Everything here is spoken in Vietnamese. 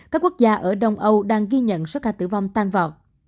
các quốc gia ở đông âu đang ghi nhận số ca tử vong tăng vọt